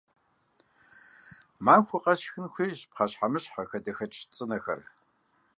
Махуэ къэс шхын хуейщ пхъэщхьэмыщхьэ, хадэхэкӀ цӀынэхэр.